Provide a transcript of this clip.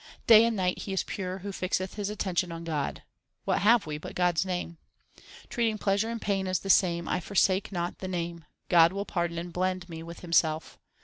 Day and night he is pure who fixeth his attention on God. What have we but God s name ? Treating pleasure and pain as the same I forsake not the Name : God will pardon and blend me with Himself.